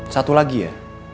satu lagi ya